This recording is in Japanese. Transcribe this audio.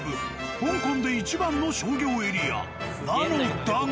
香港でいちばんの商業エリアなのだが。